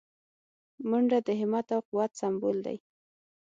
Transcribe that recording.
منډه د همت او قوت سمبول دی